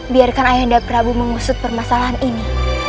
biarkan ayah dan prabu mengusut permasalahan ini